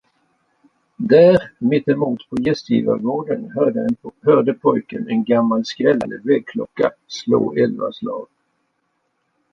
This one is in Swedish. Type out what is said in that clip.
Där mittemot på gästgivargården hörde pojken en gammal skrällande väggklocka slå elva slag.